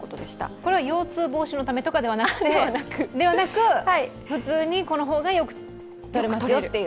これは腰痛防止のためとかではなく、普通にこの方がよく取れますよという。